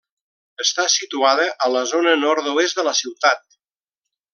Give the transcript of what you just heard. Està situada a la zona nord-oest de la ciutat.